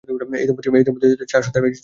এই দম্পতির চার সন্তান রয়েছে।